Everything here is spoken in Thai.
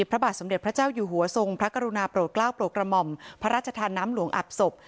พระบาทสมเด็จพระเจ้าอยู่หัวทรงพระกรุณาโปรดกล้าวโปรดกระหม่อมพระราชทานน้ำหลวงอับศพ